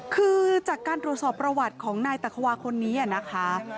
คือจากการตรวจสอบประวัติของนายตะควาคนนี้นะคะ